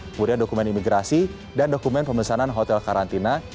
kemudian dokumen imigrasi dan dokumen pemesanan hotel karantina